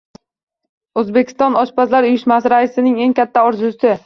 O‘zbekiston oshpazlar uyushmasi raisining eng katta orzusi